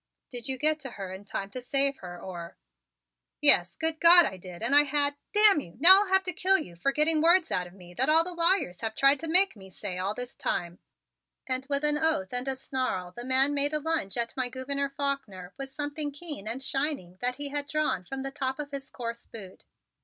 Did you get to her in time to save her or " "Yes, good God, I did and I had damn you, now I'll have to kill you for getting words out of me that all the lawyers have tried to make me say all this time," and with the oath and a snarl the man made a lunge at my Gouverneur Faulkner with something keen and shining that he had drawn from the top of his coarse boot.